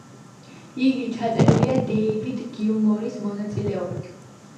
იგი ჩაწერილია დეივიდ გილმორის მონაწილეობით.